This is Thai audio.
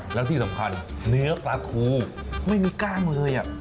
แล้วที่สำคัญเนื้อปลาทูไม่มีกล้ามเลย